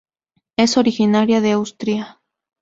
Es originaria de Austria.